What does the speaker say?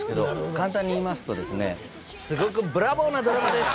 簡単に言いますとですねすごくブラボーなドラマです！